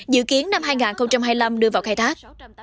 dự kiến năm hai nghìn hai mươi năm đưa vào khai thác